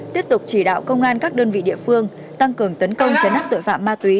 tiếp tục chỉ đạo công an các đơn vị địa phương tăng cường tấn công chấn áp tội phạm ma túy